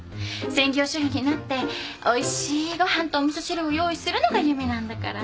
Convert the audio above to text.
専業主婦になっておいしいご飯とお味噌汁を用意するのが夢なんだから。